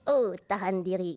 oh tahan diri